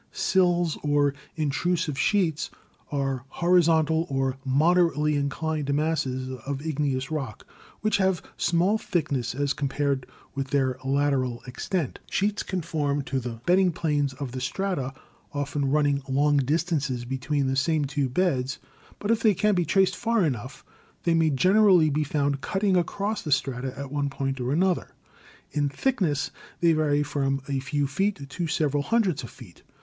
Sills or Intrusive Sheets are horizontal or mod erately inclined masses of igneous rock, which have small thickness as compared with their lateral extent. Sheets conform to the bedding planes of the strata, often run ning long distances between the same two beds; but if they can be traced far enough they may generally be found STRUCTURAL GEOLOGY 173 cutting across the strata at one point or another. In thick ness they vary from a few feet to several hundreds of feet.